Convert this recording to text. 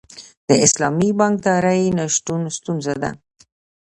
د اسلامي بانکدارۍ نشتون ستونزه ده.